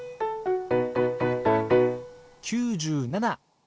９７。